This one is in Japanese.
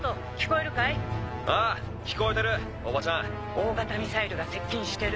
大型ミサイルが接近してる。